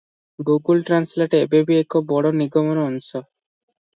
Google translate ଏବେ ବି ଏକ ବଡ଼ ନିଗମର ଅଂଶ ।